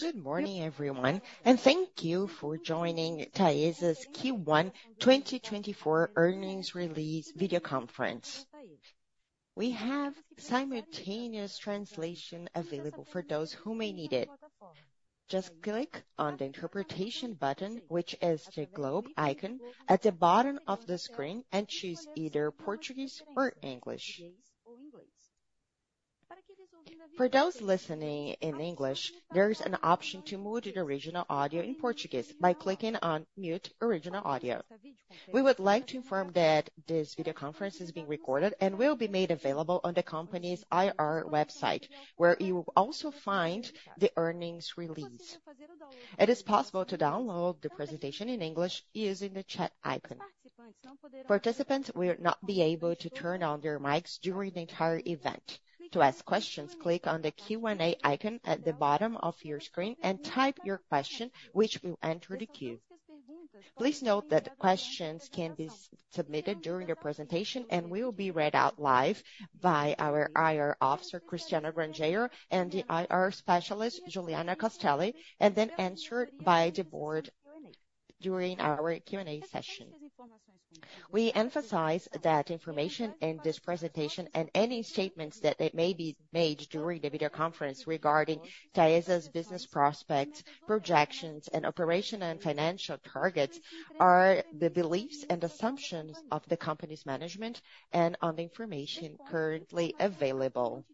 Good morning, everyone, and thank you for joining Taesa's Q1 2024 Earnings Release video conference. We have simultaneous translation available for those who may need it. Just click on the interpretation button, which is the globe icon at the bottom of the screen, and choose either Portuguese or English. For those listening in English, there is an option to mute the original audio in Portuguese by clicking on Mute Original Audio. We would like to inform that this video conference is being recorded and will be made available on the company's IR website, where you will also find the earnings release. It is possible to download the presentation in English using the chat icon. Participants will not be able to turn on their mics during the entire event. To ask questions, click on the Q&A icon at the bottom of your screen and type your question, which will enter the queue. Please note that questions can be submitted during the presentation, and will be read out live by our IR officer, Cristiano Grangeiro, and the IR specialist, Juliana Castelli, and then answered by the board during our Q&A session. We emphasize that information in this presentation, and any statements that may be made during the video conference regarding Taesa's business prospects, projections, and operational and financial targets, are the beliefs and assumptions of the company's management and on the information currently available.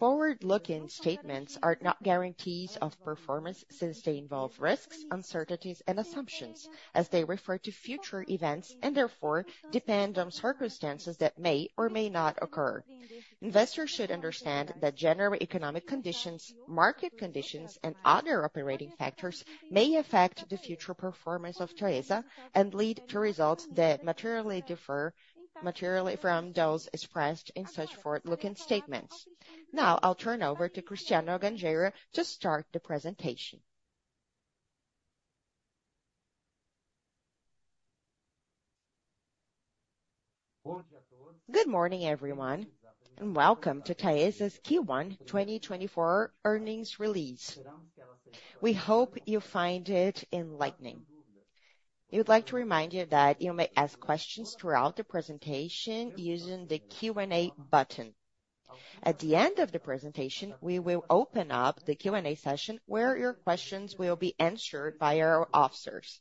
Forward-looking statements are not guarantees of performance since they involve risks, uncertainties and assumptions as they refer to future events, and therefore, depend on circumstances that may or may not occur. Investors should understand that general economic conditions, market conditions, and other operating factors may affect the future performance of Taesa and lead to results that materially differ, materially from those expressed in such forward-looking statements. Now, I'll turn over to Cristiano Grangeiro to start the presentation. Good morning, everyone, and welcome to Taesa's Q1 2024 earnings release. We hope you find it enlightening. We would like to remind you that you may ask questions throughout the presentation using the Q&A button. At the end of the presentation, we will open up the Q&A session, where your questions will be answered by our officers.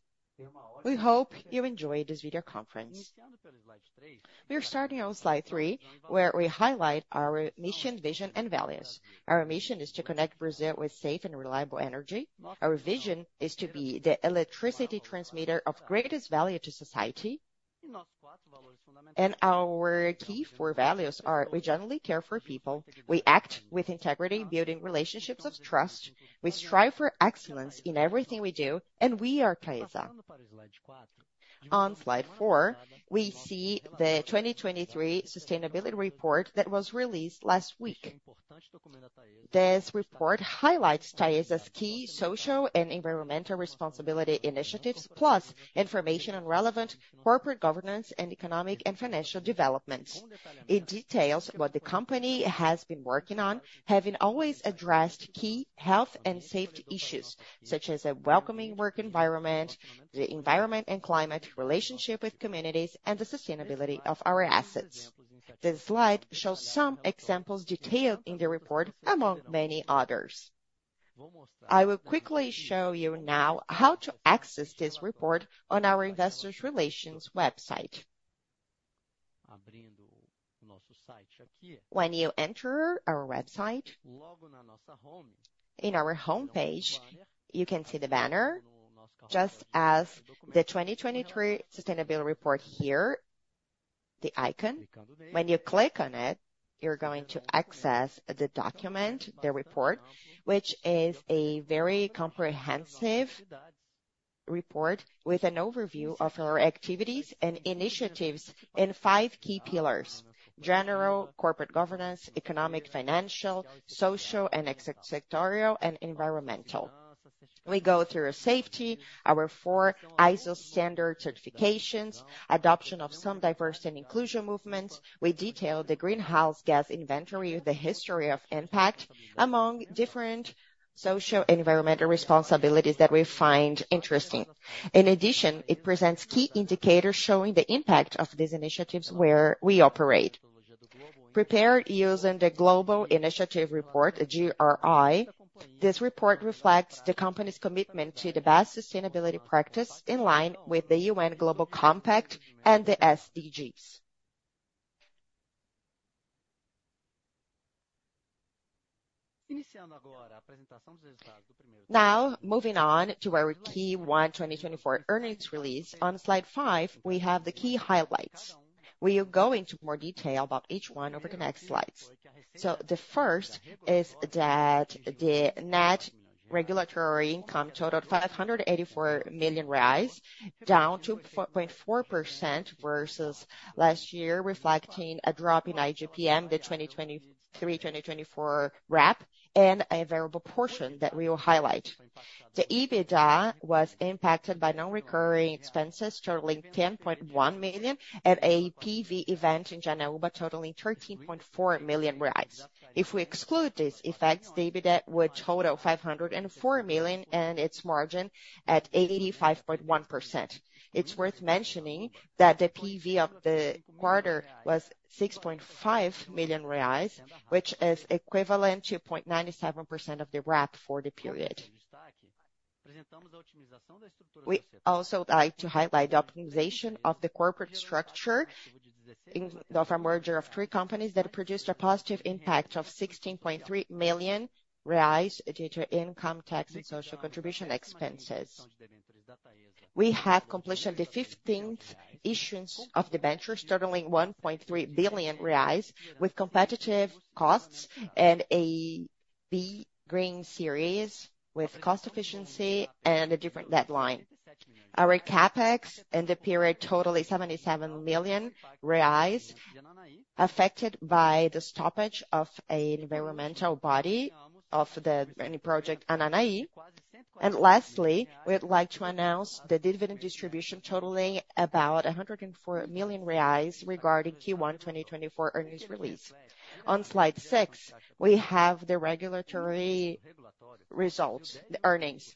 We hope you enjoy this video conference. We are starting on slide three, where we highlight our mission, vision, and values. Our mission is to connect Brazil with safe and reliable energy. Our vision is to be the electricity transmitter of greatest value to society. Our key four values are: we generally care for people, we act with integrity, building relationships of trust, we strive for excellence in everything we do, and we are Taesa. On slide four, we see the 2023 sustainability report that was released last week. This report highlights Taesa's key social and environmental responsibility initiatives, plus information on relevant corporate governance and economic and financial developments. It details what the company has been working on, having always addressed key health and safety issues, such as a welcoming work environment, the environment and climate, relationship with communities, and the sustainability of our assets. This slide shows some examples detailed in the report, among many others. I will quickly show you now how to access this report on our Investor Relations website. When you enter our website, in our homepage, you can see the banner, just as the 2023 sustainability report here, the icon. When you click on it, you're going to access the document, the report, which is a very comprehensive report with an overview of our activities and initiatives in five key pillars: general, corporate governance, economic, financial, social, and sectorial, and environmental. We go through safety, our four ISO standard certifications, adoption of some diversity and inclusion movements. We detail the greenhouse gas inventory, the history of impact, among different social and environmental responsibilities that we find interesting. In addition, it presents key indicators showing the impact of these initiatives where we operate. Prepared using the Global Reporting Initiative, GRI, this report reflects the company's commitment to the best sustainability practice in line with the UN Global Compact and the SDGs. Now, moving on to our Q1 2024 earnings release. On slide five, we have the key highlights. We will go into more detail about each one over the next slides. So the first is that the net regulatory income totaled 584 million, down 0.4% versus last year, reflecting a drop in IGP-M, the 2023/2024 RAP, and a variable portion that we will highlight. The EBITDA was impacted by non-recurring expenses totaling 10.1 million, and a PV event in Janaúba totaling 13.4 million. If we exclude these effects, the EBITDA would total 504 million, and its margin at 85.1%. It's worth mentioning that the PV of the quarter was 6.5 million reais, which is equivalent to 0.97% of the RAP for the period. We also like to highlight the optimization of the corporate structure in of a merger of three companies that produced a positive impact of 16.3 million reais due to income tax and social contribution expenses. We have completion of the 15th issuance of debentures totaling BRL 1.3 billion, with competitive costs and a B green series with cost efficiency and a different deadline. Our CapEx in the period totaling 77 million reais, affected by the stoppage of an environmental body of the mini-project, Ananaí. And lastly, we'd like to announce the dividend distribution totaling about 104 million reais regarding Q1 2024 earnings release. On slide six, we have the regulatory results, the earnings.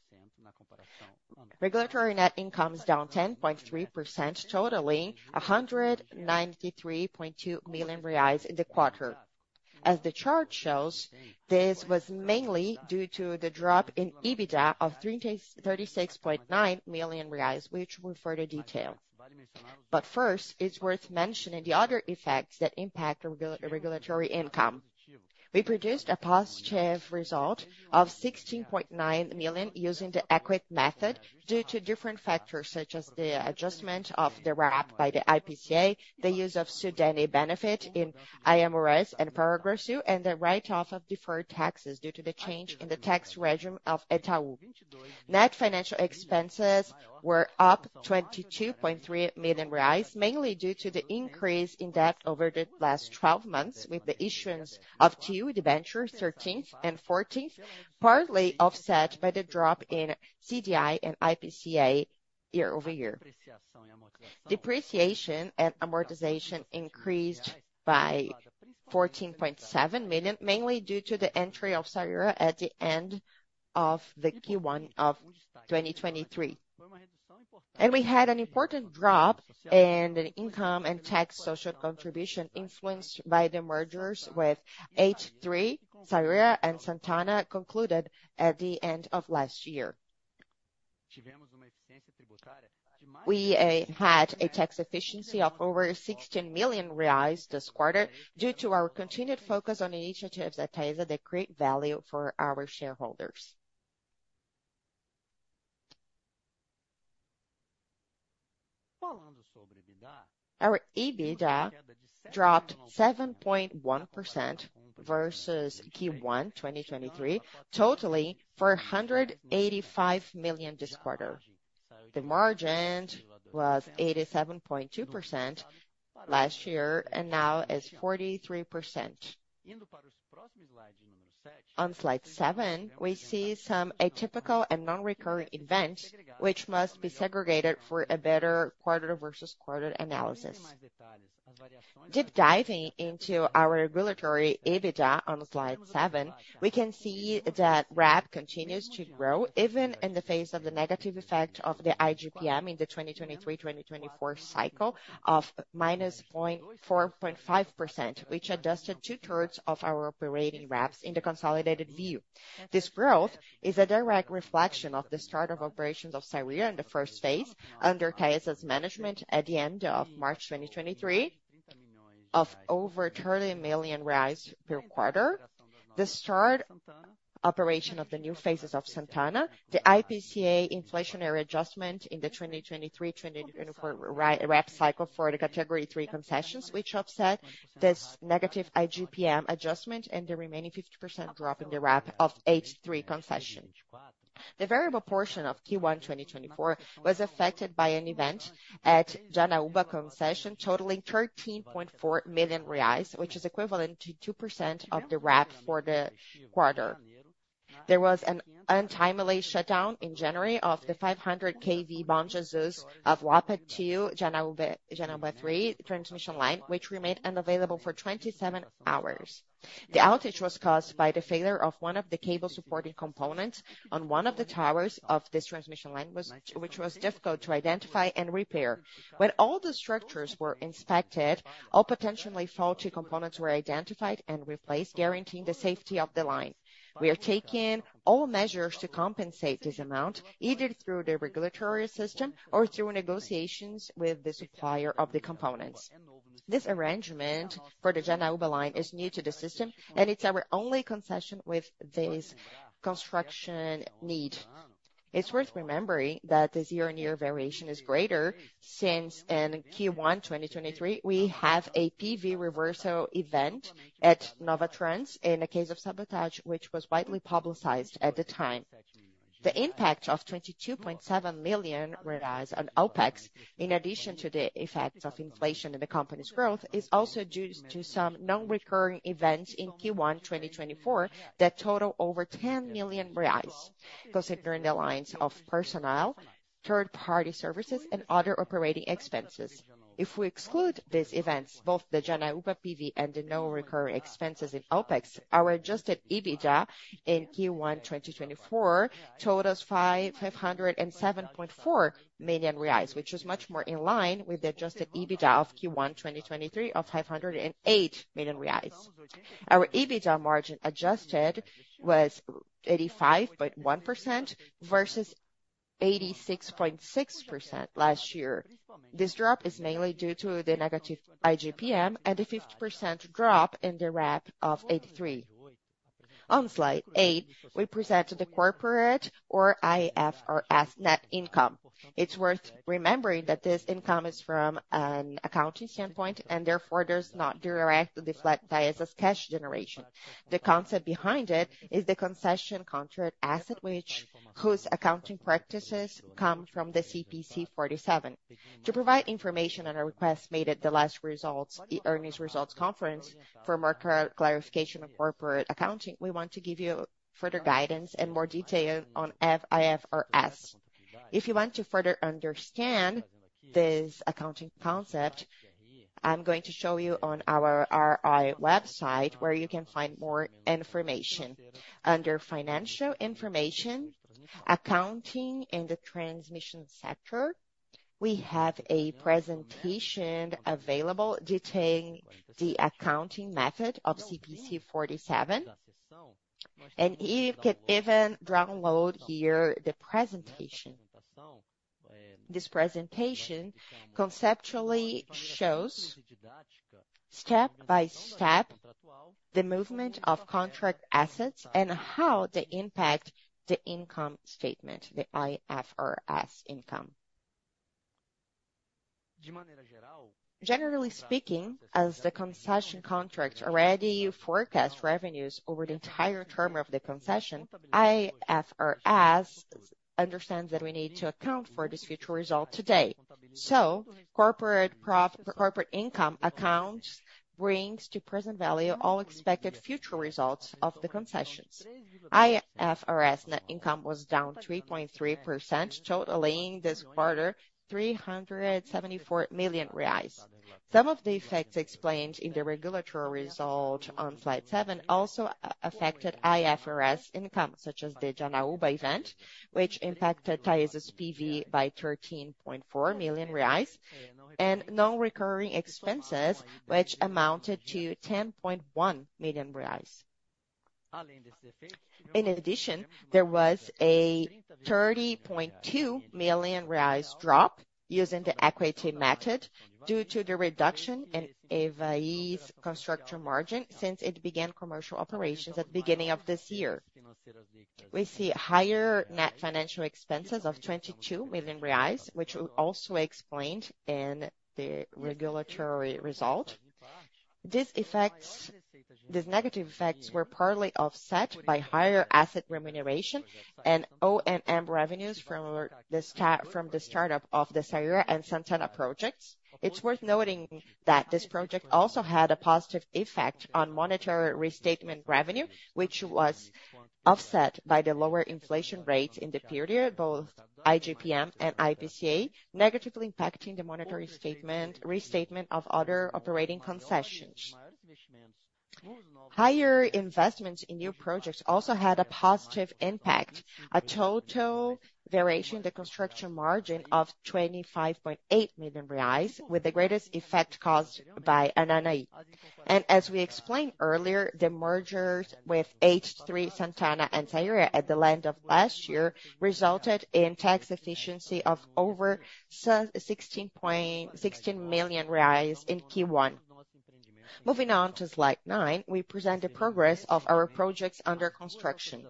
Regulatory net income is down 10.3%, totaling 193.2 million reais in the quarter. As the chart shows, this was mainly due to the drop in EBITDA of 36.9 million reais, which we'll further detail. But first, it's worth mentioning the other effects that impact our regulatory income. We produced a positive result of 16.9 million using the equity method, due to different factors, such as the adjustment of the RAP by the IPCA, the use of Sudene benefit in AMRS and Progresso, and the write-off of deferred taxes due to the change in the tax regime of Itaú. Net financial expenses were up 22.3 million, mainly due to the increase in debt over the last 12 months, with the issuance of 2 debentures, 13th and 14th, partly offset by the drop in CDI and IPCA year-over-year. Depreciation and amortization increased by 14.7 million, mainly due to the entry of Saíra at the end of the Q1 of 2023. We had an important drop in the income and tax social contribution, influenced by the mergers with ATE III, Saíra and Santana concluded at the end of last year. We had a tax efficiency of over 16 million reais this quarter, due to our continued focus on initiatives at Taesa that create value for our shareholders. Our EBITDA dropped 7.1% versus Q1 2023, totaling 485 million this quarter. The margin was 87.2% last year, and now is 43%. slide seven, we see some atypical and non-recurring events, which must be segregated for a better quarter versus quarter analysis. Deep diving into our regulatory EBITDA slide seven, we can see that RAP continues to grow, even in the face of the negative effect of the IGP-M in the 2023/2024 cycle of -4.5%, which adjusted two-thirds of our operating RAPs in the consolidated view. This growth is a direct reflection of the start of operations of Saíra in the first phase, under Taesa's management at the end of March 2023, of over 30 million reais per quarter. The start operation of the new phases of Santana, the IPCA inflationary adjustment in the 2023/2024 R- RAP cycle for the Category Three concessions, which offset this negative IGP-M adjustment and the remaining 50% drop in the RAP of ATE III concession. The variable portion of Q1 2024 was affected by an event at Janaúba concession, totaling 13.4 million reais, which is equivalent to 2% of the RAP for the quarter. There was an untimely shutdown in January of the 500 kV Bom Jesus da Lapa two, Janaúba-Janaúba three transmission line, which remained unavailable for 27 hours. The outage was caused by the failure of one of the cable supporting components on one of the towers of this transmission line, which was difficult to identify and repair. When all the structures were inspected, all potentially faulty components were identified and replaced, guaranteeing the safety of the line. We are taking all measures to compensate this amount, either through the regulatory system or through negotiations with the supplier of the components. This arrangement for the Janaúba line is new to the system, and it's our only concession with this construction need. It's worth remembering that the year-on-year variation is greater, since in Q1 2023, we have a PV reversal event at Novatrans, in a case of sabotage, which was widely publicized at the time. The impact of 22.7 million on OpEx, in addition to the effects of inflation and the company's growth, is also due to some non-recurring events in Q1 2024, that total over 10 million reais, considering the lines of personnel, third-party services, and other operating expenses. If we exclude these events, both the Janaúba PV and the non-recurring expenses in OpEx, our adjusted EBITDA in Q1 2024 totaled 507.4 million reais, which is much more in line with the adjusted EBITDA of Q1 2023 of 508 million reais. Our adjusted EBITDA margin was 85.1%, versus 86.6% last year. This drop is mainly due to the negative IGP-M, and a 50% drop in the RAP of ATE III. On slide 8, we present the corporate or IFRS net income. It's worth remembering that this income is from an accounting standpoint, and therefore, does not directly reflect Taesa's cash generation. The concept behind it is the concession contract asset, which, whose accounting practices come from the CPC 47. To provide information on a request made at the last results, the earnings results conference, for more clarification of corporate accounting, we want to give you further guidance and more detail on IFRS. If you want to further understand this accounting concept, I'm going to show you on our RI website, where you can find more information. Under Financial Information, Accounting in the Transmission Sector, we have a presentation available detailing the accounting method of CPC 47, and you can even download here the presentation. This presentation conceptually shows, step by step, the movement of contract assets and how they impact the income statement, the IFRS income. Generally speaking, as the concession contract already forecasts revenues over the entire term of the concession, IFRS understands that we need to account for this future result today. So corporate income accounts brings to present value, all expected future results of the concessions. IFRS net income was down 3.3%, totaling this quarter, 374 million reais. Some of the effects explained in the regulatory result on slide also affected IFRS income, such as the Janaúba event, which impacted Taesa's PV by 13.4 million reais, and non-recurring expenses, which amounted to 10.1 million reais. In addition, there was a 30.2 million reais drop using the equity method, due to the reduction in Ivaí construction margin since it began commercial operations at the beginning of this year. We see higher net financial expenses of 22 million reais, which we also explained in the regulatory result. These effects, these negative effects, were partly offset by higher asset remuneration and O&M revenues from the startup of the Saíra and Santana projects. It's worth noting that this project also had a positive effect on monetary restatement revenue, which was offset by the lower inflation rates in the period, both IGP-M and IPCA, negatively impacting the monetary restatement of other operating concessions. Higher investments in new projects also had a positive impact, a total variation in the construction margin of 25.8 million reais, with the greatest effect caused by Ananaí. And as we explained earlier, the mergers with H3, Santana, and Saíra at the end of last year resulted in tax efficiency of over sixteen million reais in Q1. Moving on to slide 9, we present the progress of our projects under construction.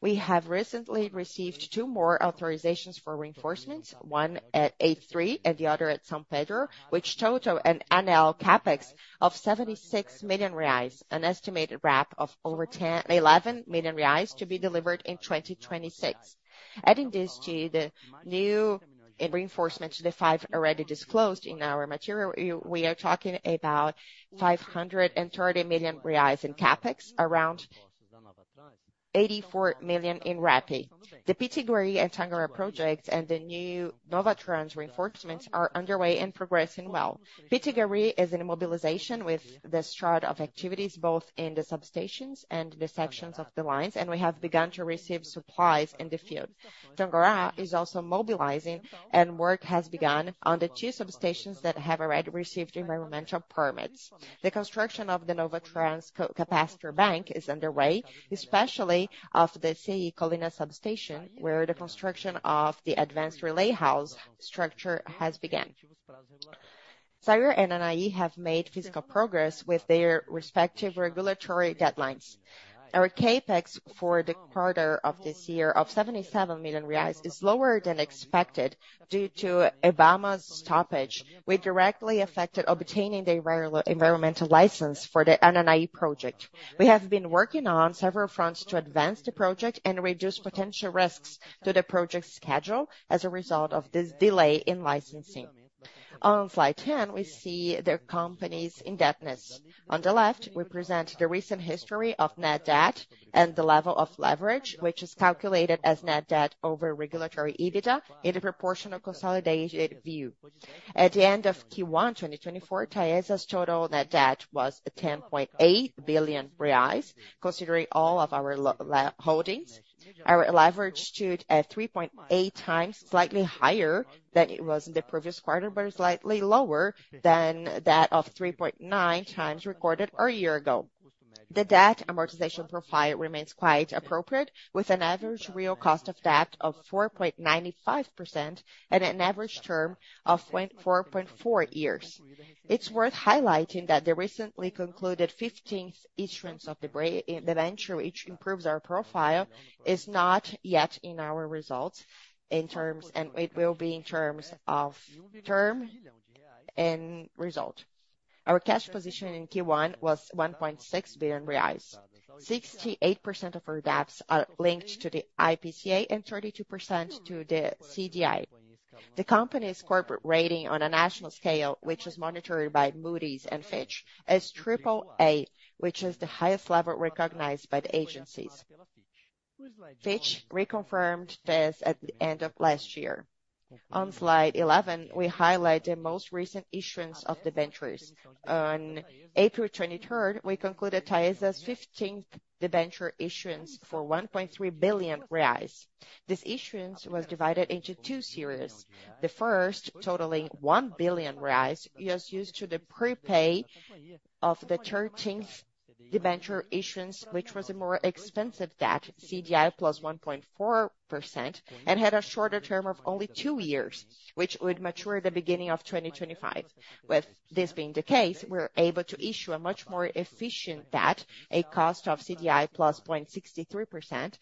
We have recently received two more authorizations for reinforcement, one at H3 and the other at São Pedro, which total an annual CapEx of 76 million reais, an estimated RAP of over 10 million-11 million reais to be delivered in 2026. Adding this to the new reinforcement to the five already disclosed in our material, we are talking about 530 million reais in CapEx, around 84 million in RAP. The Pitiguari and Tangará projects, and the new Novatrans reinforcements are underway and progressing well. Pitiguari is in mobilization with the start of activities, both in the substations and the sections of the lines, and we have begun to receive supplies in the field. Tangará is also mobilizing, and work has begun on the two substations that have already received environmental permits. The construction of the Novatrans capacitor bank is underway, especially of the SE Colina substation, where the construction of the advanced relay house structure has begun. Saíra and NNI have made physical progress with their respective regulatory deadlines. Our CapEx for the quarter of this year, of 77 million reais, is lower than expected due to IBAMA's stoppage, which directly affected obtaining the environmental license for the NNI project. We have been working on several fronts to advance the project and reduce potential risks to the project schedule as a result of this delay in licensing. On slide 10, we see the company's indebtedness. On the left, we present the recent history of net debt and the level of leverage, which is calculated as net debt over regulatory EBITDA in a proportional consolidated view. At the end of Q1 2024, Taesa's total net debt was 10.8 billion reais. Considering all of our holdings, our leverage stood at 3.8x, slightly higher than it was in the previous quarter, but slightly lower than that of 3.9x recorded a year ago. The debt amortization profile remains quite appropriate, with an average real cost of debt of 4.95% and an average term of 4.4 years. It's worth highlighting that the recently concluded 15th issuance of the debenture, which improves our profile, is not yet in our results in terms and it will be in terms of term and result. Our cash position in Q1 was 1.6 billion reais. 68% of our debts are linked to the IPCA, and 32% to the CDI. The company's corporate rating on a national scale, which is monitored by Moody's and Fitch, is triple A, which is the highest level recognized by the agencies. Fitch reconfirmed this at the end of last year. On Slide 11, we highlight the most recent issuance of debentures. On April 23, we concluded Taesa's 15th debenture issuance for 1.3 billion reais. This issuance was divided into two series. The first, totaling 1 billion reais, was used to prepay the 13th debenture issuance, which was a more expensive debt, CDI plus 1.4%, and had a shorter term of only two years, which would mature at the beginning of 2025. With this being the case, we're able to issue a much more efficient debt, a cost of CDI plus 0.63%, 63 basis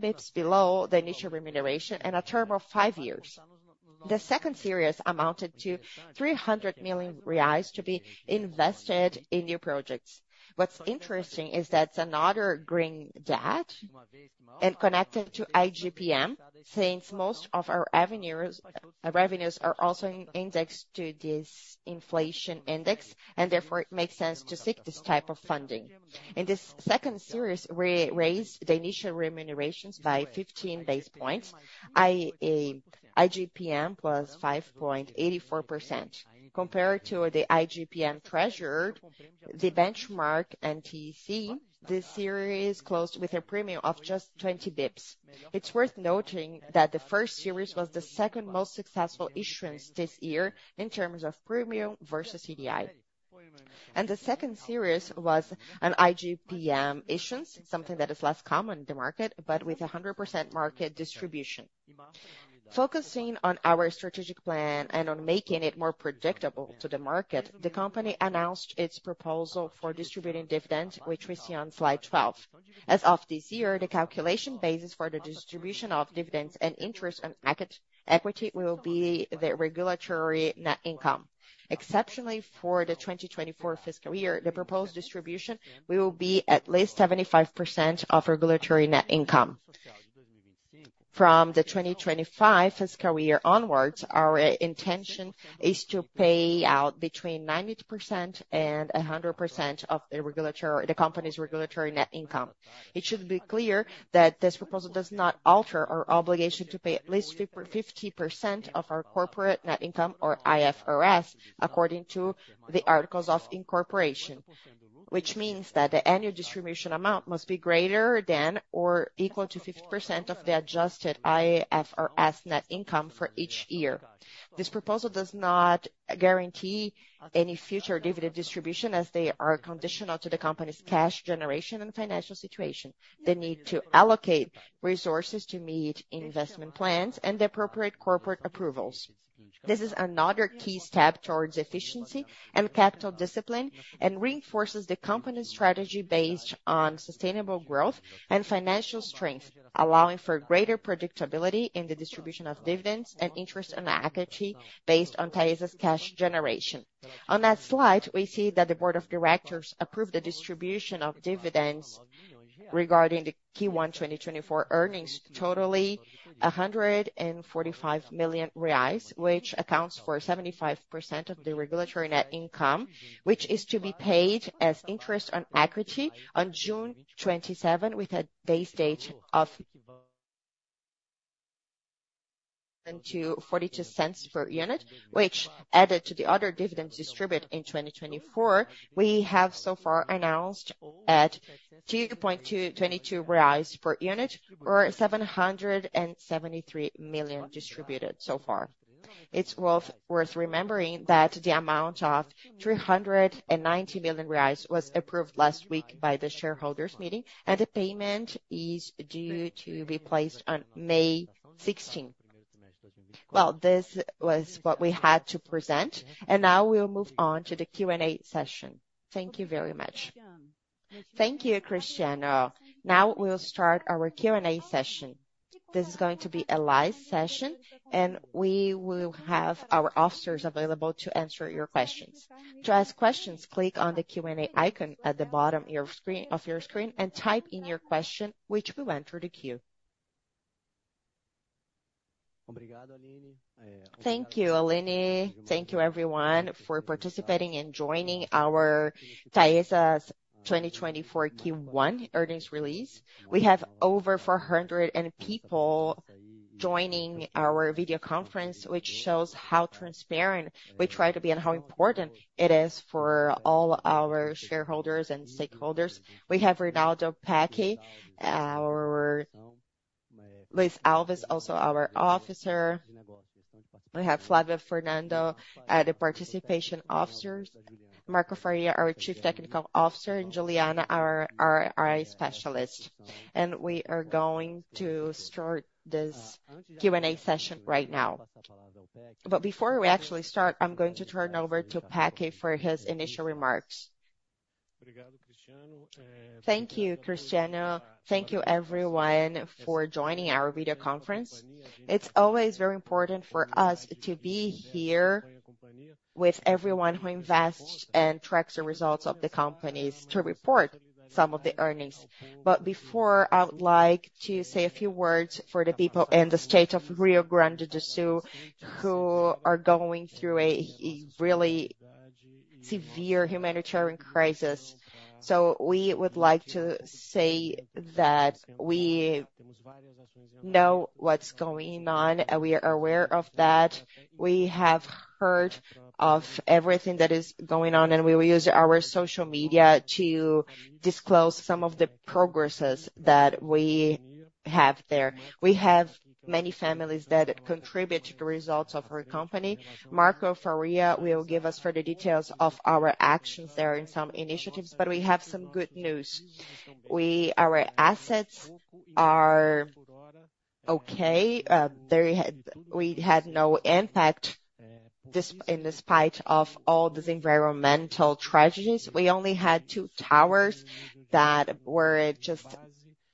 points below the initial remuneration and a term of five years. The second series amounted to 300 million reais to be invested in new projects. What's interesting is that it's another green debt and connected to IGP-M, since most of our revenues are also in-indexed to this inflation index, and therefore it makes sense to seek this type of funding. In this second series, we raised the initial remunerations by 15 basis points. i.e., IGP-M was 5.84%. Compared to the IGP-M Treasury, the benchmark and TC, this series closed with a premium of just 20 basis points. It's worth noting that the first series was the second most successful issuance this year in terms of premium versus CDI. The second series was an IGP-M issuance, something that is less common in the market, but with 100% market distribution. Focusing on our strategic plan and on making it more predictable to the market, the company announced its proposal for distributing dividends, which we see on slide 12. As of this year, the calculation basis for the distribution of dividends and interest on equity will be the regulatory net income. Exceptionally, for the 2024 fiscal year, the proposed distribution will be at least 75% of regulatory net income. From the 2025 fiscal year onwards, our intention is to pay out between 90% and 100% of the company's regulatory net income. It should be clear that this proposal does not alter our obligation to pay at least 50/50% of our corporate net income or IFRS, according to the articles of incorporation, which means that the annual distribution amount must be greater than or equal to 50% of the adjusted IFRS net income for each year. This proposal does not guarantee any future dividend distribution, as they are conditional to the company's cash generation and financial situation. They need to allocate resources to meet investment plans and the appropriate corporate approvals. This is another key step towards efficiency and capital discipline, and reinforces the company's strategy based on sustainable growth and financial strength, allowing for greater predictability in the distribution of dividends and interest on equity based on Taesa's cash generation. On that slide, we see that the board of directors approved the distribution of dividends regarding the Q1 2024 earnings, totaling 145 million reais, which accounts for 75% of the regulatory net income, which is to be paid as interest on equity on June 27, with a base date of into 0.42 BRL per unit, which, added to the other dividends distributed in 2024, we have so far announced at 2.222 reais per unit, or 773 million distributed so far. It's worth remembering that the amount of 390 million reais was approved last week by the shareholders meeting, and the payment is due to be placed on May 16. Well, this was what we had to present, and now we'll move on to the Q&A session. Thank you very much. Thank you, Cristiano. Now we'll start our Q&A session. This is going to be a live session, and we will have our officers available to answer your questions. To ask questions, click on the Q&A icon at the bottom of your screen and type in your question, which will enter the queue. Thank you, Aline. Thank you everyone for participating and joining our Taesa's 2024 Q1 earnings release. We have over 400 people joining our video conference, which shows how transparent we try to be and how important it is for all our shareholders and stakeholders. We have Rinaldo Pecchio, our Luís Alessandro Alves, also our officer. We have Fábio Antunes Fernandes, the participation officer. Marco Antônio Resende Faria, our Chief Technical Officer, and Juliana Castelli, our IR specialist. We are going to start this Q&A session right now. But before we actually start, I'm going to turn over to Rinaldo Pecchio Júnior for his initial remarks. Thank you, Cristiano. Thank you everyone for joining our video conference. It's always very important for us to be here with everyone who invests and tracks the results of the companies to report some of the earnings. But before, I would like to say a few words for the people in the state of Rio Grande do Sul, who are going through a really severe humanitarian crisis. So we would like to say that we know what's going on, and we are aware of that. We have heard of everything that is going on, and we will use our social media to disclose some of the progresses that we have there. We have many families that contribute to the results of our company. Marco Faria will give us further details of our actions there in some initiatives, but we have some good news. Our assets are okay. We had no impact despite all these environmental tragedies. We only had two towers that were just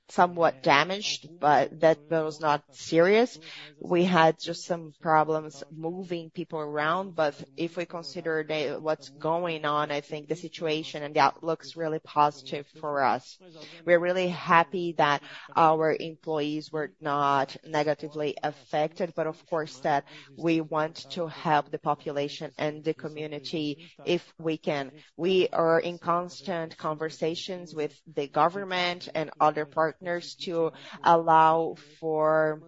somewhat damaged, but that was not serious. We had just some problems moving people around, but if we consider what's going on, I think the situation and the outlook's really positive for us. We're really happy that our employees were not negatively affected, but of course, and that we want to help the population and the community if we can. We are in constant conversations with the government and other partners to allow for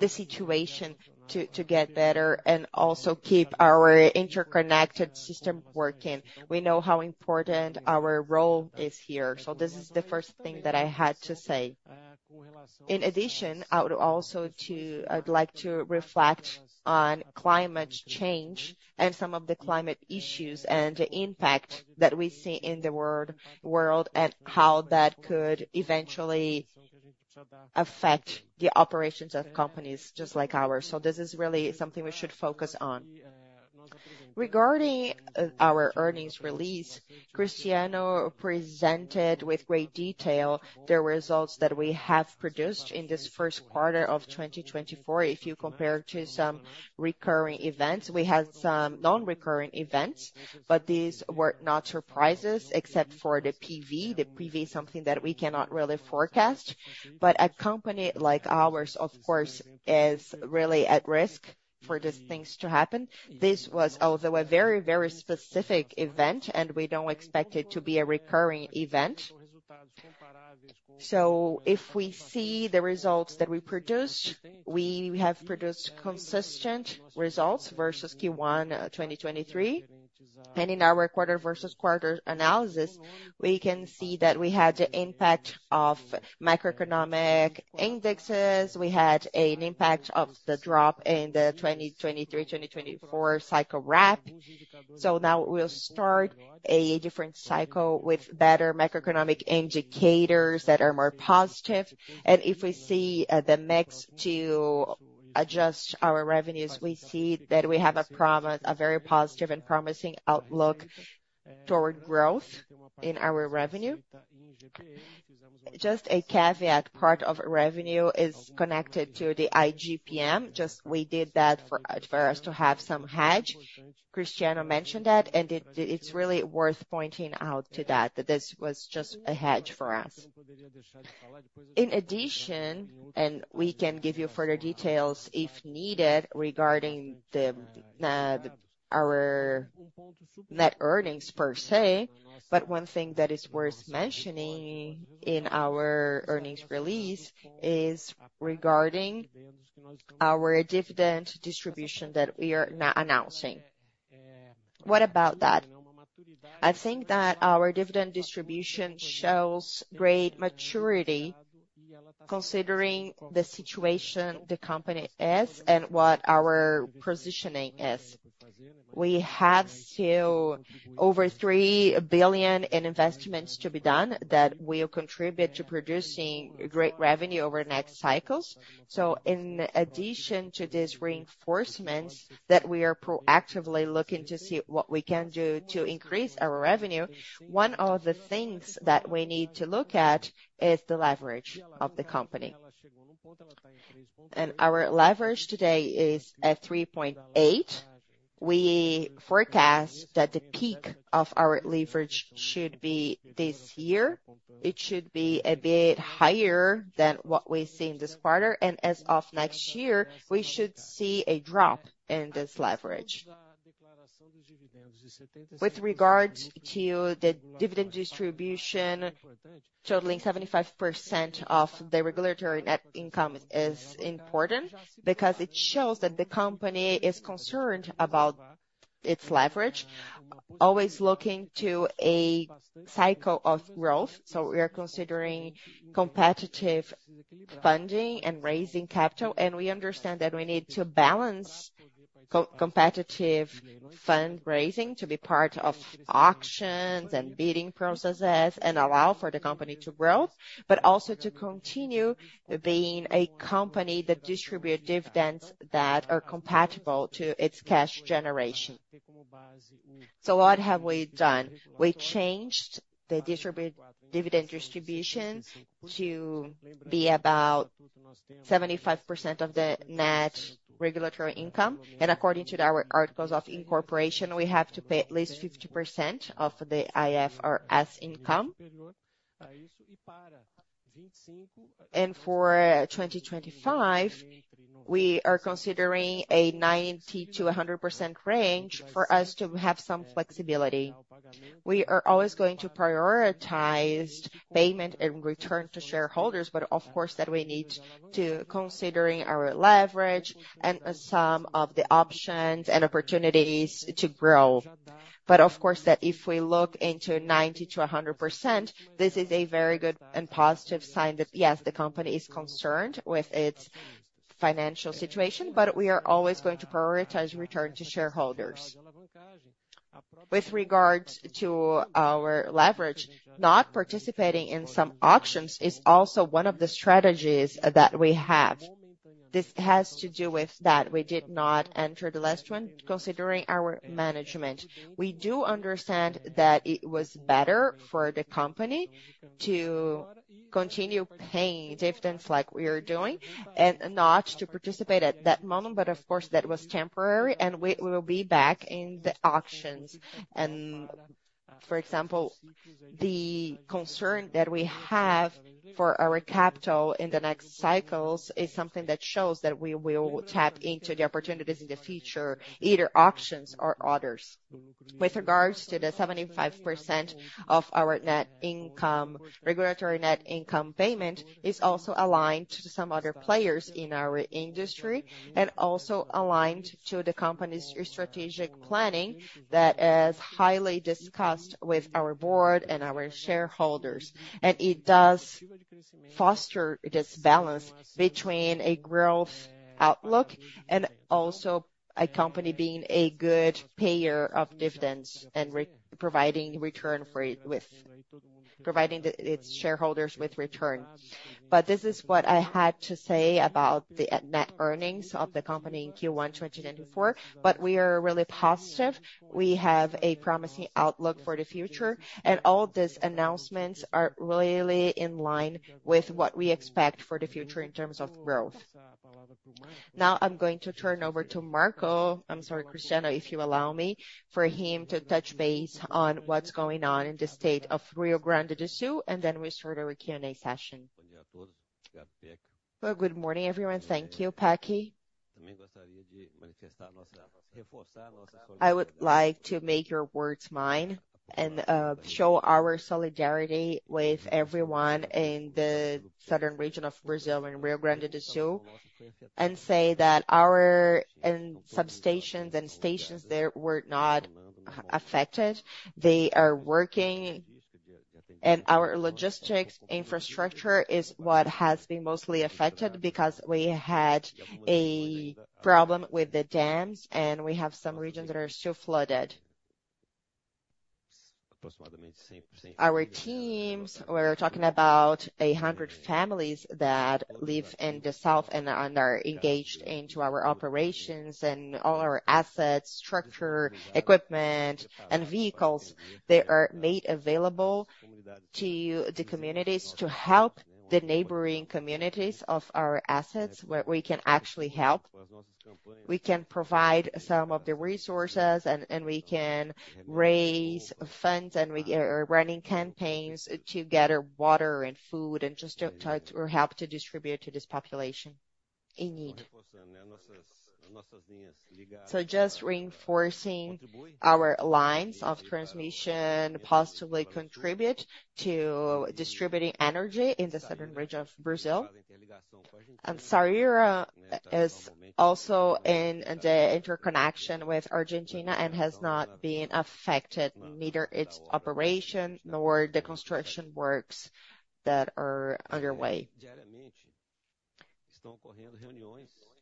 the situation to get better and also keep our interconnected system working. We know how important our role is here, so this is the first thing that I had to say. In addition, I'd like to reflect on climate change and some of the climate issues and the impact that we see in the world, and how that could eventually affect the operations of companies just like ours. So this is really something we should focus on. Regarding our earnings release, Cristiano presented with great detail the results that we have produced in this first quarter of 2024. If you compare to some recurring events, we had some non-recurring events, but these were not surprises except for the PV. The PV is something that we cannot really forecast, but a company like ours, of course, is really at risk for these things to happen. This was also a very, very specific event, and we don't expect it to be a recurring event. So if we see the results that we produced, we have produced consistent results versus Q1 2023. And in our quarter-over-quarter analysis, we can see that we had the impact of macroeconomic indexes. We had an impact of the drop in the 2023-2024 cycle RAP. So now we'll start a different cycle with better macroeconomic indicators that are more positive. And if we see the mix to adjust our revenues, we see that we have a promise, a very positive and promising outlook toward growth in our revenue. Just a caveat, part of revenue is connected to the IGP-M. Just we did that for, for us to have some hedge. Cristiano mentioned that, and it's really worth pointing out that this was just a hedge for us. In addition, we can give you further details if needed, regarding the, our net earnings per se, but one thing that is worth mentioning in our earnings release is regarding our dividend distribution that we are now announcing. What about that? I think that our dividend distribution shows great maturity, considering the situation the company is, and what our positioning is. We have still over 3 billion in investments to be done that will contribute to producing great revenue over the next cycles. So in addition to these reinforcements, that we are proactively looking to see what we can do to increase our revenue, one of the things that we need to look at is the leverage of the company. Our leverage today is at 3.8. We forecast that the peak of our leverage should be this year. It should be a bit higher than what we see in this quarter, and as of next year, we should see a drop in this leverage. With regard to the dividend distribution, totaling 75% of the regulatory net income is important, because it shows that the company is concerned about its leverage, always looking to a cycle of growth. So we are considering competitive funding and raising capital, and we understand that we need to balance co-competitive fund raising to be part of auctions and bidding processes, and allow for the company to grow, but also to continue being a company that distribute dividends that are compatible to its cash generation. So what have we done? We changed the dividend distribution to be about 75% of the net regulatory income, and according to our articles of incorporation, we have to pay at least 50% of the IFRS income. For 2025, we are considering a 90%-100% range for us to have some flexibility. We are always going to prioritize payment and return to shareholders, but of course, that we need to considering our leverage and some of the options and opportunities to grow. But of course, that if we look into 90%-100%, this is a very good and positive sign that, yes, the company is concerned with its financial situation, but we are always going to prioritize return to shareholders. With regards to our leverage, not participating in some auctions is also one of the strategies that we have. This has to do with that. We did not enter the last one, considering our management. We do understand that it was better for the company to continue paying dividends like we are doing, and not to participate at that moment, but of course, that was temporary, and we, we will be back in the auctions. And for example, the concern that we have for our capital in the next cycles is something that shows that we will tap into the opportunities in the future, either auctions or others. With regards to the 75% of our net income, regulatory net income payment, is also aligned to some other players in our industry, and also aligned to the company's strategic planning that is highly discussed with our board and our shareholders. And it does foster this balance between a growth outlook and also a company being a good payer of dividends, and providing its shareholders with return. But this is what I had to say about the net earnings of the company in Q1 2024, but we are really positive. We have a promising outlook for the future, and all these announcements are really in line with what we expect for the future in terms of growth. Now I'm going to turn over to Marco. I'm sorry, Cristiano, if you allow me, for him to touch base on what's going on in the state of Rio Grande do Sul, and then we start our Q&A session. Well, good morning, everyone. Thank you, Paqui. I would like to make your words mine and show our solidarity with everyone in the southern region of Brazil, in Rio Grande do Sul, and say that our substations and stations there were not affected. They are working, and our logistics infrastructure is what has been mostly affected, because we had a problem with the dams, and we have some regions that are still flooded. Our teams, we're talking about 100 families that live in the south and are engaged into our operations and all our assets, structure, equipment, and vehicles, they are made available to the communities to help the neighboring communities of our assets, where we can actually help. We can provide some of the resources and we can raise funds, and we are running campaigns to gather water and food and just to or help to distribute to this population in need. So just reinforcing our lines of transmission positively contribute to distributing energy in the southern region of Brazil. And Saíra is also in the interconnection with Argentina and has not been affected, neither its operation nor the construction works that are underway.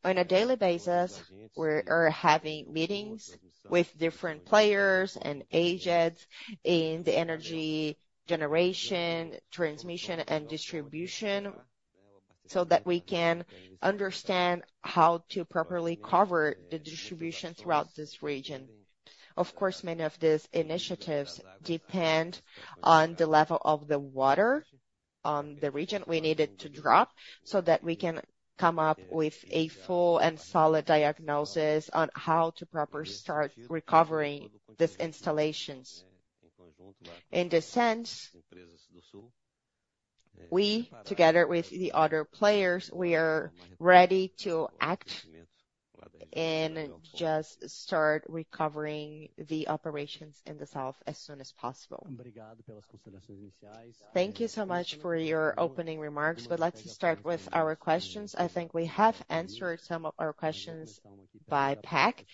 On a daily basis, we are having meetings with different players and agents in the energy generation, transmission, and distribution, so that we can understand how to properly cover the distribution throughout this region. Of course, many of these initiatives depend on the level of the water on the region. We need it to drop, so that we can come up with a full and solid diagnosis on how to properly start recovering these installations. In this sense, we, together with the other players, we are ready to act and just start recovering the operations in the south as soon as possible. Thank you so much for your opening remarks. We'd like to start with our questions. I think we have answered some of our questions by Paqui.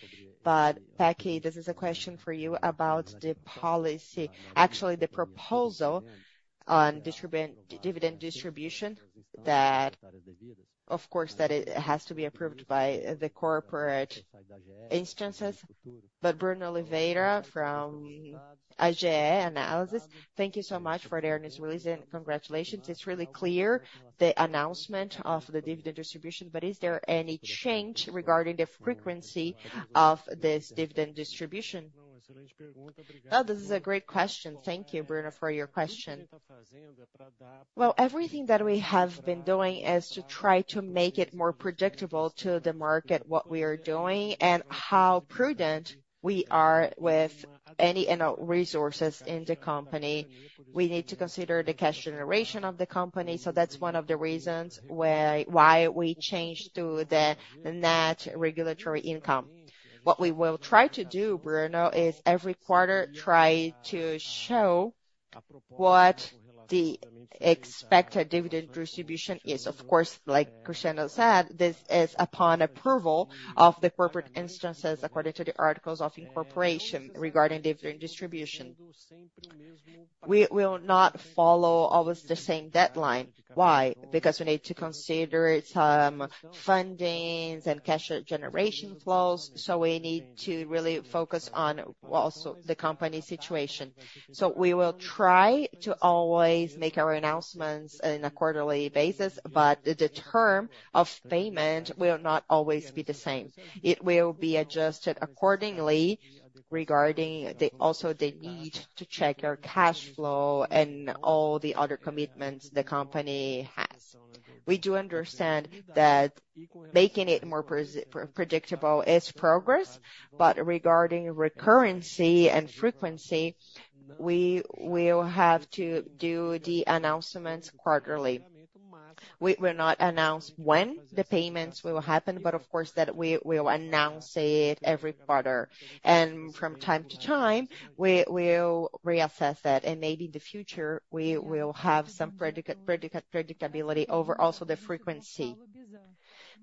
But Paqui, this is a question for you about the policy. Actually, the proposal on dividend distribution, that, of course, it has to be approved by the corporate instances. But Bruno Oliveira from Alpha, thank you so much for the earnings release, and congratulations. It's really clear, the announcement of the dividend distribution, but is there any change regarding the frequency of this dividend distribution? Oh, this is a great question. Thank you, Bruno, for your question. Well, everything that we have been doing is to try to make it more predictable to the market, what we are doing, and how prudent we are with any resources in the company. We need to consider the cash generation of the company, so that's one of the reasons why we changed to the net regulatory income. What we will try to do, Bruno, is every quarter, try to show what the expected dividend distribution is. Of course, like Cristiano said, this is upon approval of the corporate instances according to the articles of incorporation regarding dividend distribution. We will not follow always the same deadline. Why? Because we need to consider some fundings and cash generation flows, so we need to really focus on also the company's situation. So we will try to always make our announcements on a quarterly basis, but the term of payment will not always be the same. It will be adjusted accordingly regarding also the need to check our cash flow and all the other commitments the company has. We do understand that making it more predictable is progress, but regarding recurrency and frequency, we will have to do the announcements quarterly. We will not announce when the payments will happen, but of course, that we will announce it every quarter. And from time to time, we will reassess it, and maybe in the future, we will have some predictability over also the frequency.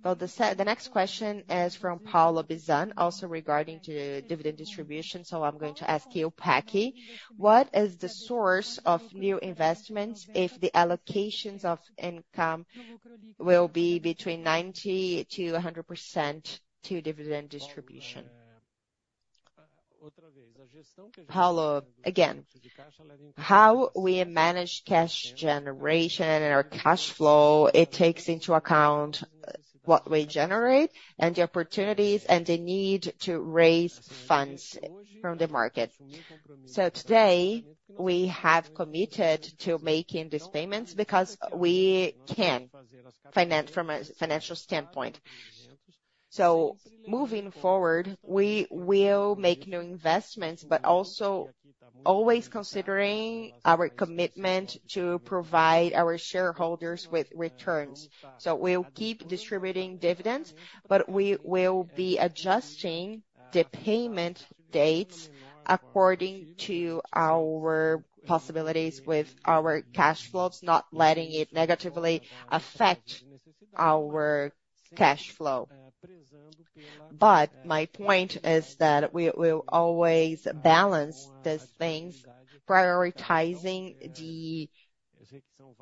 Well, the next question is from Paulo Bizzani, also regarding dividend distribution, so I'm going to ask you, Pecchio. What is the source of new investments if the allocations of income will be between 90%-100% to dividend distribution? Paulo, again, how we manage cash generation and our cash flow, it takes into account what we generate and the opportunities and the need to raise funds from the market. So today, we have committed to making these payments because we can finance from a financial standpoint. So moving forward, we will make new investments, but also always considering our commitment to provide our shareholders with returns. So we'll keep distributing dividends, but we will be adjusting the payment dates according to our possibilities with our cash flows, not letting it negatively affect our cash flow. But my point is that we will always balance these things, prioritizing the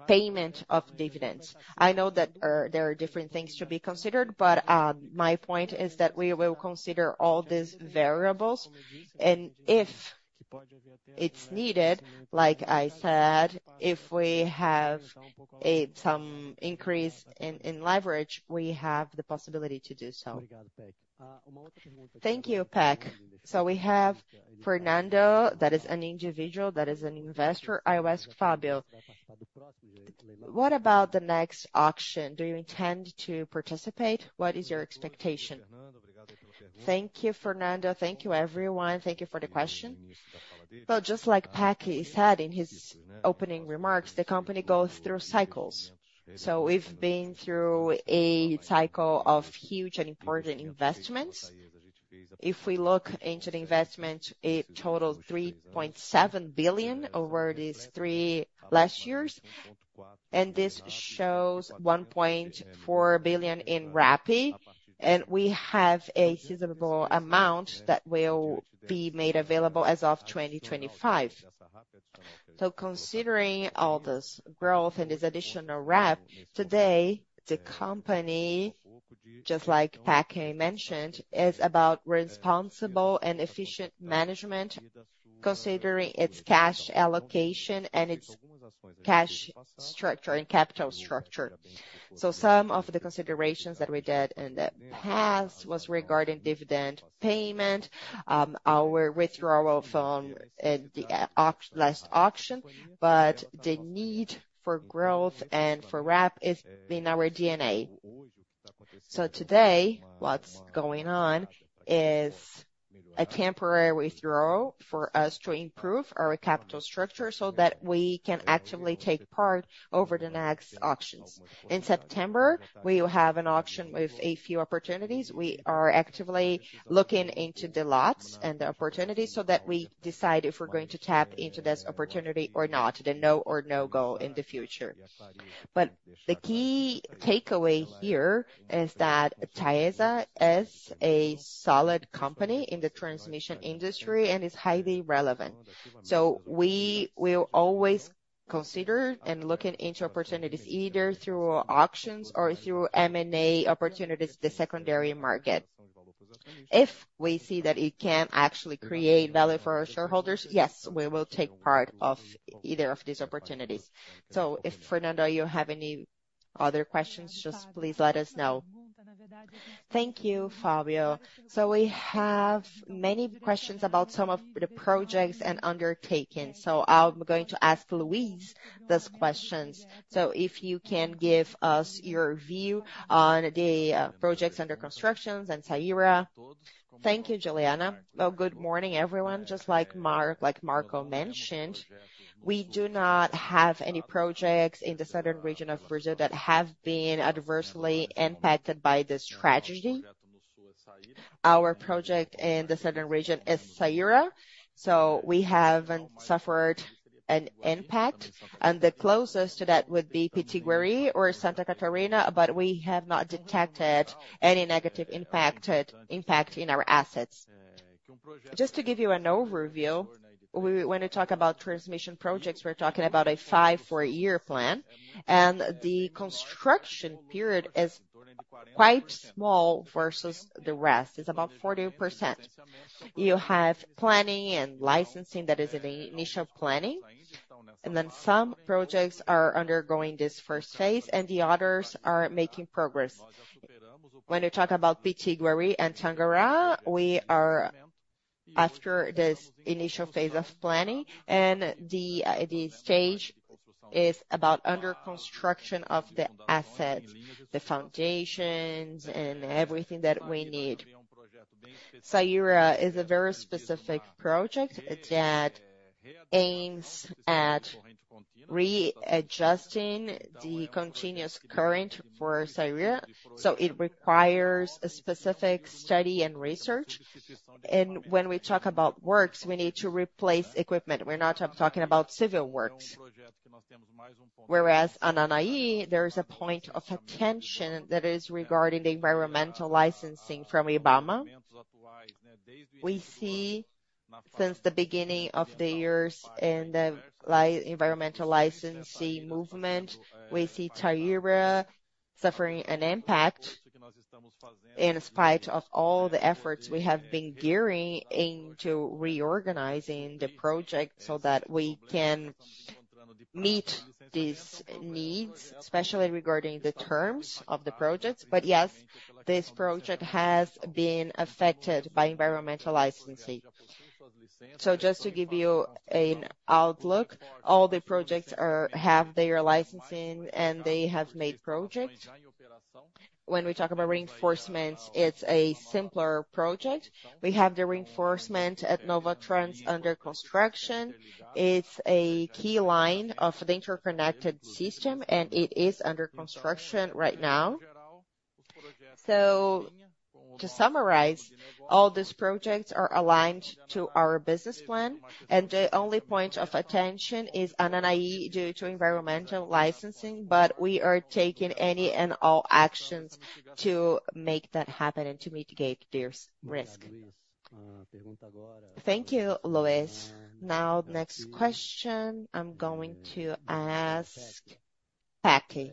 payment of dividends. I know that there are different things to be considered, but my point is that we will consider all these variables, and if it's needed, like I said, if we have some increase in leverage, we have the possibility to do so. Thank you, Paqui. So we have Fernando, that is an individual, that is an investor. I will ask Fábio, what about the next auction? Do you intend to participate? What is your expectation? Thank you, Fernando. Thank you, everyone. Thank you for the question. Well, just like Paqui said in his opening remarks, the company goes through cycles. So we've been through a cycle of huge and important investments. If we look into the investment, it totals 3.7 billion over these three last years, and this shows 1.4 billion in RAP, and we have a sizable amount that will be made available as of 2025. So considering all this growth and this additional RAP, today, the company, just like Paqui mentioned, is about responsible and efficient management, considering its cash allocation and its cash structure and capital structure. So some of the considerations that we did in the past was regarding dividend payment, our withdrawal from the last auction, but the need for growth and for RAP is in our DNA. So today, what's going on is a temporary withdrawal for us to improve our capital structure so that we can actively take part over the next auctions. In September, we will have an auction with a few opportunities. We are actively looking into the lots and the opportunities so that we decide if we're going to tap into this opportunity or not, the now or no-go in the future. But the key takeaway here is that Taesa is a solid company in the transmission industry and is highly relevant. So we will always consider and looking into opportunities, either through auctions or through M&A opportunities, the secondary market. If we see that it can actually create value for our shareholders, yes, we will take part of either of these opportunities. So if, Fernando, you have any other questions, just please let us know. Thank you, Fábio. So we have many questions about some of the projects and undertakings. So I'm going to ask Luís those questions. So if you can give us your view on the projects under construction and Saíra. Thank you, Juliana. Well, good morning, everyone. Just like Mark, like Marco mentioned, we do not have any projects in the southern region of Brazil that have been adversely impacted by this tragedy. Our project in the southern region is Saíra, so we haven't suffered an impact, and the closest to that would be Pitiguari or Santa Catarina, but we have not detected any negative impact in our assets. Just to give you an overview, we, when we talk about transmission projects, we're talking about a 54-year plan, and the construction period is quite small versus the rest, it's about 40%. You have planning and licensing that is in the initial planning, and then some projects are undergoing this first phase, and the others are making progress. When you talk about Pitiguari and Tangará, we are after this initial phase of planning, and the stage is about under construction of the assets, the foundations and everything that we need. Saíra is a very specific project that aims at readjusting the continuous current for Saíra, so it requires a specific study and research. And when we talk about works, we need to replace equipment. We're not talking about civil works. Whereas Ananaí, there is a point of attention that is regarding the environmental licensing from IBAMA. We see since the beginning of the years in the environmental licensing movement, we see Saíra suffering an impact, in spite of all the efforts we have been gearing into reorganizing the project so that we can meet these needs, especially regarding the terms of the projects. But yes, this project has been affected by environmental licensing. So just to give you an outlook, all the projects are, have their licensing, and they have made project. When we talk about reinforcements, it's a simpler project. We have the reinforcement at Novatrans under construction. It's a key line of the interconnected system, and it is under construction right now. So to summarize, all these projects are aligned to our business plan, and the only point of attention is Ananaí due to environmental licensing, but we are taking any and all actions to make that happen and to mitigate this risk. Thank you, Louise. Now, next question, I'm going to ask Pablo.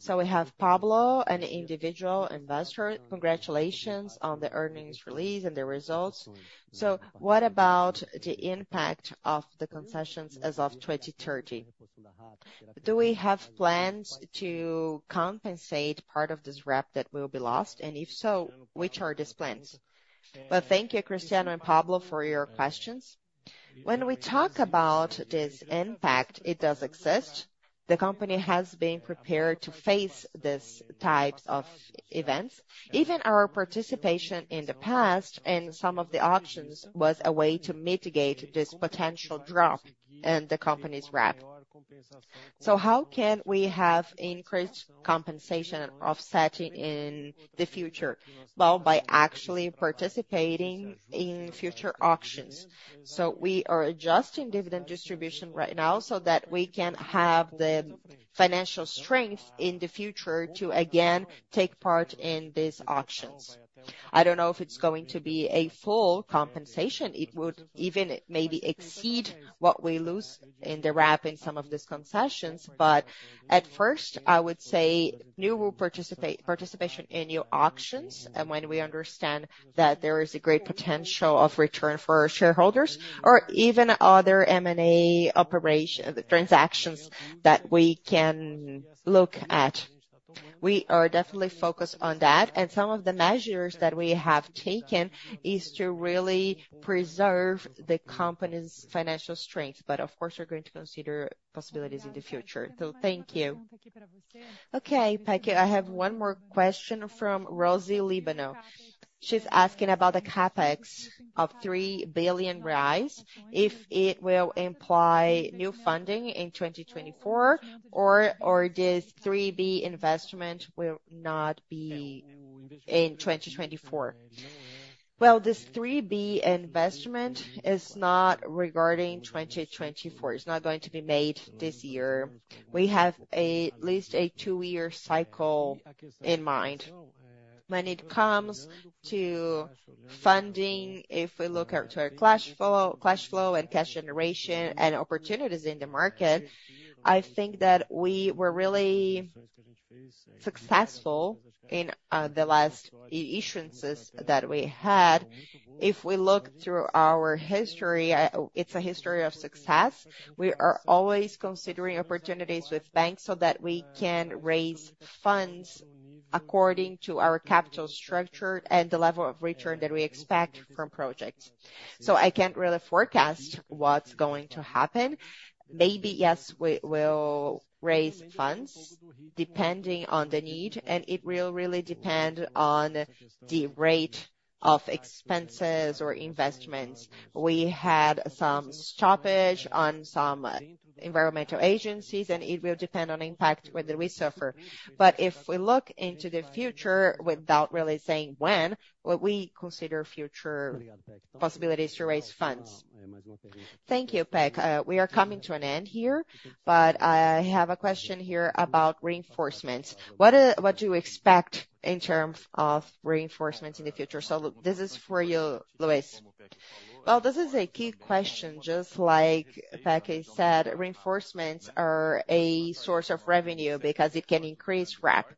So we have Pablo, an individual investor. Congratulations on the earnings release and the results. So what about the impact of the concessions as of 2030? Do we have plans to compensate part of this rep that will be lost, and if so, which are these plans? Well, thank you, Cristiano and Pablo, for your questions. When we talk about this impact, it does exist. The company has been prepared to face these types of events. Even our participation in the past in some of the auctions was a way to mitigate this potential drop in the company's rep. So how can we have increased compensation offsetting in the future? Well, by actually participating in future auctions. So we are adjusting dividend distribution right now, so that we can have the financial strength in the future to again take part in these auctions. I don't know if it's going to be a full compensation. It would even maybe exceed what we lose in the RAP in some of these concessions. But at first, I would say, new rule: participation in new auctions, and when we understand that there is a great potential of return for our shareholders, or even other M&A operations, transactions that we can look at. We are definitely focused on that, and some of the measures that we have taken is to really preserve the company's financial strength. But of course, we're going to consider possibilities in the future. So thank you. Okay, Pecchio, I have one more question from Rosi Libânio. She's asking about the CapEx of 3 billion reais, if it will imply new funding in 2024, or this 3 billion investment will not be in 2024? Well, this 3 billion investment is not regarding 2024. It's not going to be made this year. We have at least a two-year cycle in mind. When it comes to funding, if we look at our cash flow, cash flow and cash generation and opportunities in the market, I think that we were really successful in the last issuances that we had. If we look through our history, it's a history of success. We are always considering opportunities with banks so that we can raise funds according to our capital structure and the level of return that we expect from projects. So I can't really forecast what's going to happen. Maybe, yes, we will raise funds depending on the need, and it will really depend on the rate of expenses or investments. We had some stoppage on some environmental agencies, and it will depend on impact whether we suffer. But if we look into the future, without really saying when, well, we consider future possibilities to raise funds. Thank you, Pecchio. We are coming to an end here, but I have a question here about reinforcements. What, what do you expect in terms of reinforcements in the future? So this is for you, Luís. Well, this is a key question. Just like Pecchio said, reinforcements are a source of revenue because it can increase RAP.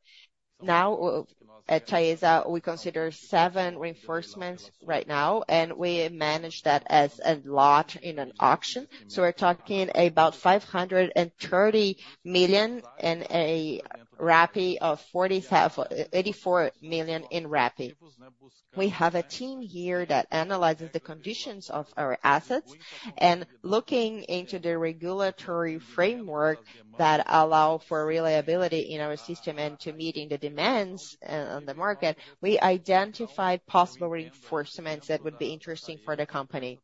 Now, at Taesa, we consider seven reinforcements right now, and we manage that as a lot in an auction. So we're talking about 530 million in a RAPI of eighty-four million in RAPI. We have a team here that analyzes the conditions of our assets, and looking into the regulatory framework that allow for reliability in our system and to meeting the demands on the market, we identified possible reinforcements that would be interesting for the company.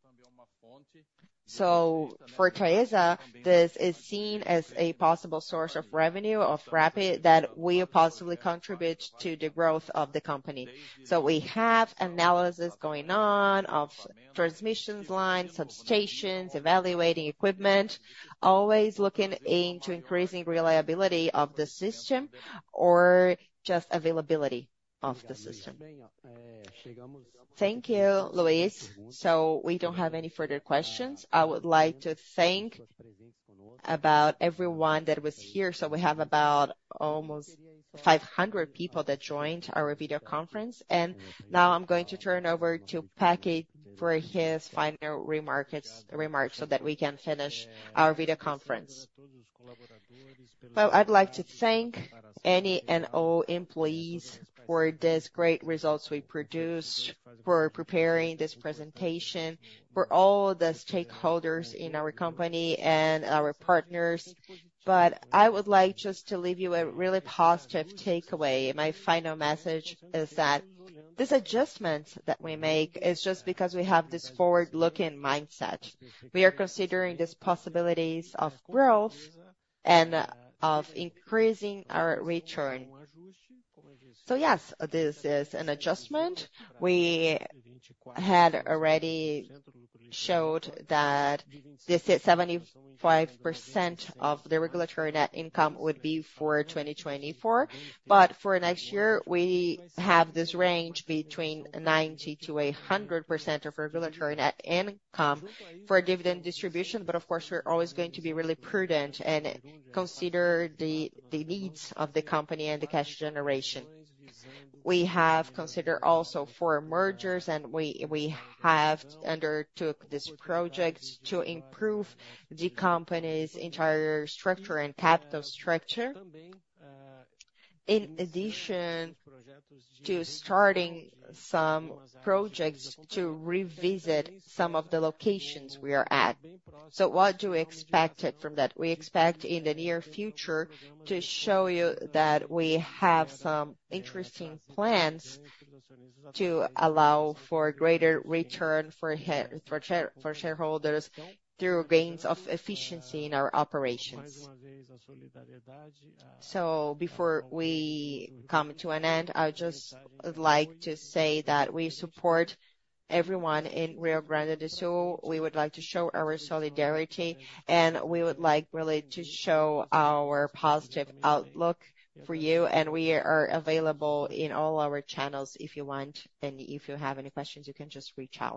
So for Taesa, this is seen as a possible source of revenue, of RAP, that will possibly contribute to the growth of the company. So we have analysis going on of transmission lines, substations, evaluating equipment, always looking into increasing reliability of the system or just availability of the system. Thank you, Luís. So we don't have any further questions. I would like to thank everyone that was here. So we have about almost 500 people that joined our video conference, and now I'm going to turn over to Pecchio for his final remarks, so that we can finish our video conference. Well, I'd like to thank any and all employees for these great results we produced, for preparing this presentation, for all the stakeholders in our company and our partners. But I would like just to leave you a really positive takeaway. My final message is that this adjustment that we make is just because we have this forward-looking mindset. We are considering these possibilities of growth and of increasing our return. So yes, this is an adjustment. We had already showed that this is 75% of the regulatory net income would be for 2024, but for next year, we have this range between 90%-100% of regulatory net income for dividend distribution. But of course, we're always going to be really prudent and consider the needs of the company and the cash generation. We have considered also for mergers, and we have undertook this project to improve the company's entire structure and capital structure. In addition to starting some projects to revisit some of the locations we are at. So what do we expect it from that? We expect in the near future to show you that we have some interesting plans to allow for greater return for shareholders through gains of efficiency in our operations. So before we come to an end, I would just like to say that we support everyone in Rio Grande do Sul. We would like to show our solidarity, and we would like really to show our positive outlook for you, and we are available in all our channels. If you want, then if you have any questions, you can just reach out.